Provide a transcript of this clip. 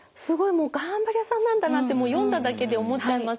もう頑張り屋さんなんだなって読んだだけで思っちゃいますね。